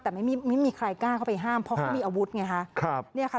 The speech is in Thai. แต่ไม่มีใครกล้าเข้าไปห้ามเพราะเขามีอาวุธไงค่ะ